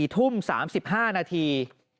๔ทุ่ม๓๕นาที